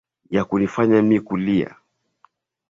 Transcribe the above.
ya kunifanya mi kulia